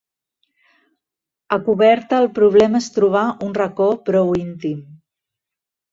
A coberta el problema és trobar un racó prou íntim.